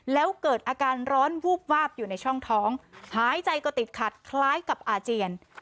แล้วเกิดอาการร้อนวูบวาบอยู่ในช่องท้องหายใจก็ติดขัดคล้ายกับอาเจียน